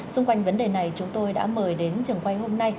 xung quanh vấn đề này chúng tôi đã mời đến trường quay hôm nay